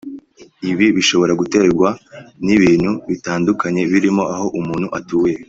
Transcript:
Ibi bishobora guterwa n’ibintu bitandukanye birimo aho umuntu atuye